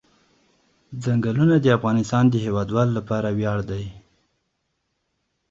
چنګلونه د افغانستان د هیوادوالو لپاره ویاړ دی.